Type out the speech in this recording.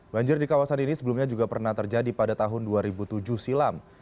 banjir di kawasan ini sebelumnya juga pernah terjadi pada tahun dua ribu tujuh silam